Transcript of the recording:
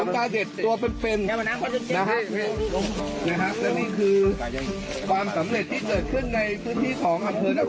ตอนนั้นเริ่มถอยลงมาว่าไม่มีความมั่นใจว่าจะจัดการทางแรก